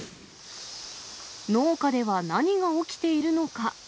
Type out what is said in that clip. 農家では何が起きているのか。